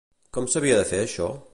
Quan s'havia de fer això?